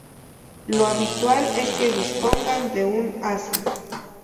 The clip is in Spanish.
Lo habitual es que dispongan de un asa.